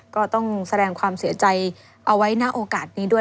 ก็ต้องแสดงความเสียใจเอาไว้หน้าโอกาสนี้ด้วย